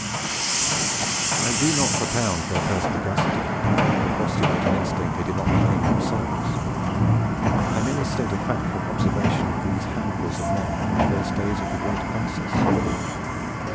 I do not propound their perspicacity or postulate an instinct they did not claim themselves. I merely state a fact from observation of these handfuls of men in the first days of the great crisis.